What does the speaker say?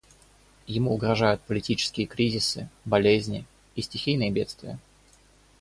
Ему угрожают политические кризисы, болезни и стихийные бедствия.